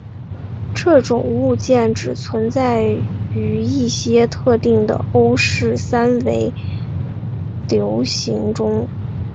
这种物件只能存在于一些特定的欧氏三维流形中。